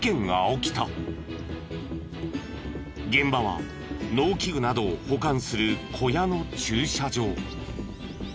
現場は農機具などを保管する小屋の駐車場。